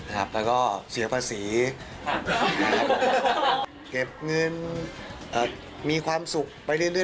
แล้วก็เสียภาษีนะครับเก็บเงินมีความสุขไปเรื่อย